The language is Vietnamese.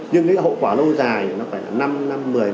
nhưng cái hậu quả lâu dài thì nó phải là năm năm một mươi năm